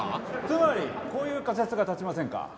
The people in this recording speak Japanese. つまりこういう仮設が立ちませんか？